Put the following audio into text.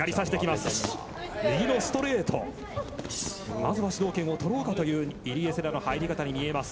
まずは主導権を取ろうかという入江聖奈の入り方。